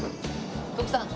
徳さん